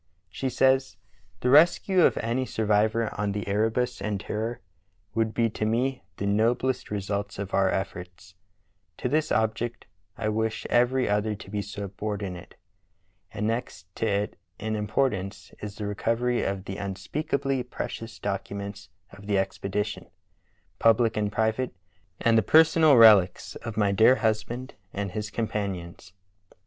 She says: "The rescue of any survivor of the Erebus and Terror would be to me the noblest results of our efforts. 174 True Tales of Arctic Heroism To this object I wish every other to be subordinate; and next to it in importance is the recovery of the unspeak ably precious documents of the expedition, public and private, and the personal relics of my dear husband and his companions.